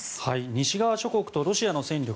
西側諸国とロシアの戦力